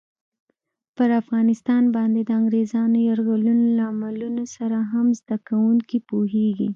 پر افغانستان باندې د انګریزانو یرغلونو لاملونو سره هم زده کوونکي پوهېږي.